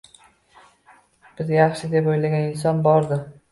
Biz yaxshi deb o‘ylagan inson bor.